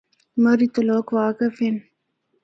مری تو لوگ واقف ہن۔